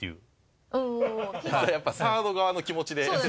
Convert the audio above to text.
やっぱサード側の気持ちで。